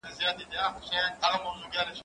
زه پرون درسونه تيار کړي؟!